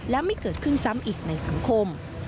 และไม่เกิดขึ้นซ้ำอีกในสังคม